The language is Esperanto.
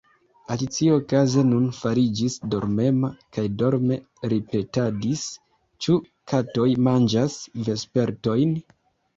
Alicio okaze nun fariĝis dormema, kaj dorme ripetadis: "Ĉu katoj manĝas vespertojn? »